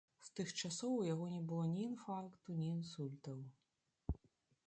З тых часоў у яго не было ні інфаркту, ні інсультаў.